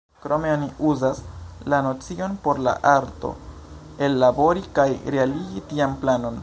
Krome oni uzas la nocion por la arto ellabori kaj realigi tian planon.